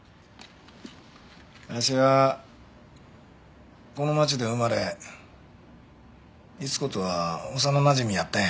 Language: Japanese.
わしはこの街で生まれ伊津子とは幼なじみやったんや。